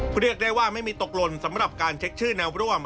เรียกได้ว่าไม่มีตกหล่นสำหรับการเช็คชื่อแนวร่วม